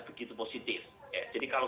begitu positif jadi kalau